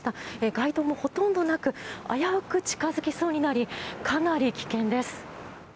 街灯もほとんどなく危うく近付きそうになりかなり危険です。